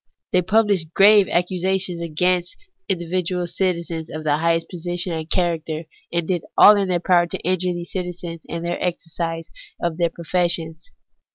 They published grave accusations against individual citizens of the highest position and character, and did all in their power to injure these citizens in the exercise of their professions.